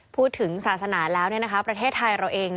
พูดถึงศาสนาแล้วประเทศไทยเราเอง